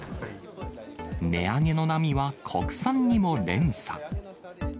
値上げの波は国産にも連鎖。